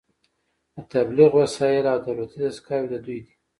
د تبلیغ وسایل او دولتي دستګاوې د دوی دي